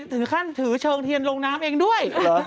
ถึงขั้นถือเชิงเทียนลงน้ำเองด้วย